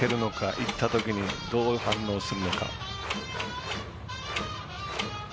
いったときにどう反応するのか。